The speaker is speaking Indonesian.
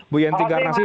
bu yanti garnasi